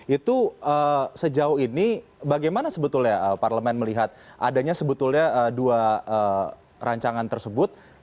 itu sejauh ini bagaimana sebetulnya parlemen melihat adanya sebetulnya dua rancangan tersebut